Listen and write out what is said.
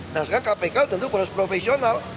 nah sekarang kpk tentu proses profesional